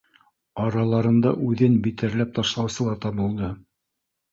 Араларында үҙен битәрләп ташлаусы ла табылды: